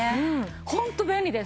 ホント便利です。